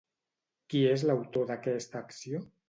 Qui és l'autor d'aquesta acció?